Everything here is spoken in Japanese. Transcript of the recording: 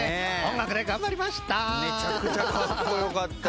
めちゃくちゃカッコ良かった。